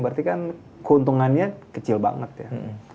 berarti kan keuntungannya kecil banget ya